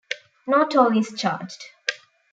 No toll is charged.